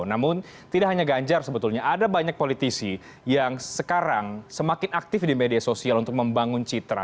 namun tidak hanya ganjar sebetulnya ada banyak politisi yang sekarang semakin aktif di media sosial untuk membangun citra